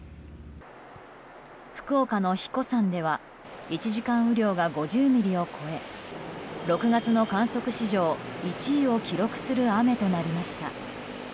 福岡の英彦山では１時間雨量が５０ミリを超え６月の観測史上１位を記録する雨となりました。